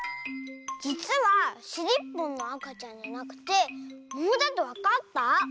じつはしりっぽんのあかちゃんじゃなくてももだとわかった？